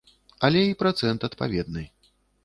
Але і працэнт адпаведны.